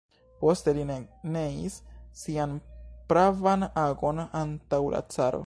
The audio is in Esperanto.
Poste li ne neis sian pravan agon antaŭ la caro.